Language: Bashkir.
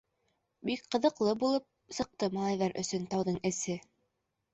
Бик ҡыҙыҡлы булып сыҡты малайҙар өсөн тауҙың эсе.